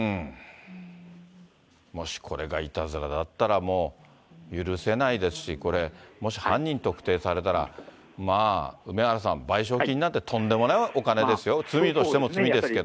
もしこれがいたずらだったら、もう許せないですし、これ、もし犯人特定されたら、まあ、梅原さん、賠償金なんてとんでもないお金ですよ、罪としても罪ですし。